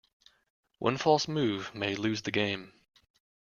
One false move may lose the game.